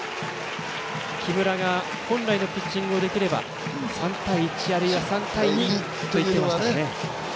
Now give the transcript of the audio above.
木村が本来のピッチングができれば３対１あるいは３対２というのがね。